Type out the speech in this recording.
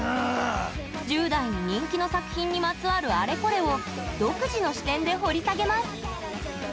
１０代に人気の作品にまつわるあれこれを独自の視点で掘り下げます。